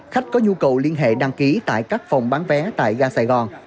khách có nhu cầu liên hệ đăng ký tại các phòng bán vé tại ga sài gòn